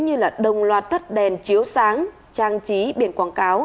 như đồng loạt tắt đèn chiếu sáng trang trí biển quảng cáo